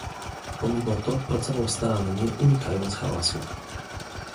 "Pomimo to pracował starannie unikając hałasu."